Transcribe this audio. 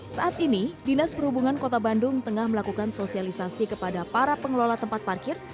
saat ini dinas perhubungan kota bandung tengah melakukan sosialisasi kepada para pengelola tempat parkir